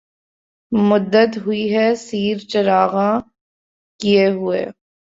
مدّت ہوئی ہے سیر چراغاں کئے ہوئے